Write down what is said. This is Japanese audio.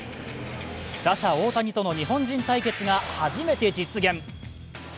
打者・大谷との日本人対決が初めて実現。